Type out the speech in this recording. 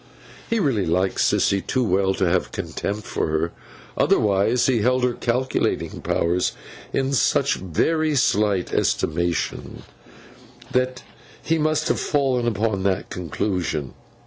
He really liked Sissy too well to have a contempt for her; otherwise he held her calculating powers in such very slight estimation that he must have fallen upon that conclusion.